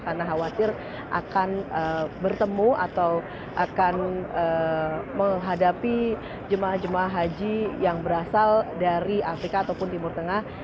karena khawatir akan bertemu atau akan menghadapi jemaah jemaah haji yang berasal dari afrika ataupun timur tengah